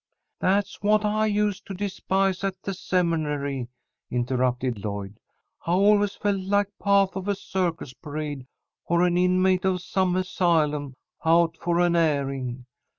"That's what I used to despise at the Seminary," interrupted Lloyd. "I always felt like pah't of a circus parade, or an inmate of some asylum, out for an airing.